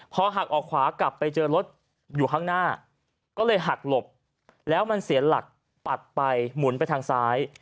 พอหักออกขวากลับไปเจอรถอยู่ข้างหน้าก็เลยหักหลบแล้วมันเสียหลักปัดไปหมุนไปทางซ้าย